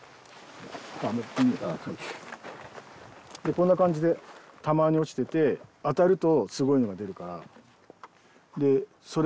こんな感じでたまに落ちてて当たるとすごいのが出るから。